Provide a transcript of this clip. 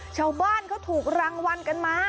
เช้าบ้านเค้าถูกรางวัลกันมา๙๒๐๐๐๐